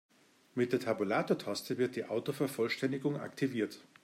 Mit der Tabulatortaste wird die Autovervollständigung aktiviert.